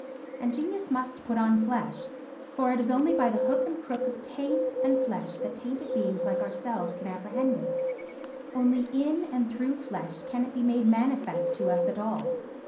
And genius must put on flesh, for it is only by the hook and crook of taint and flesh that tainted beings like ourselves can apprehend it, only in and through flesh can it be made manifest to us at all.